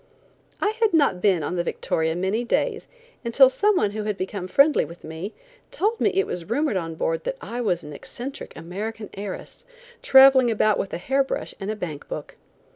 I had not been on the Victoria many days until some one who had become friendly with me, told me it was rumored on board that I was an eccentric American heiress, traveling about with a hair brush and a bank book.